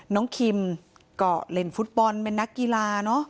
น้องคิมก็เล่นฟุตบอลเป็นนักกีฬา